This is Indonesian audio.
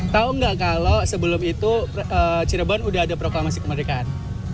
tau gak kalau sebelum itu cirebon sudah ada proklamasi kemerdekaan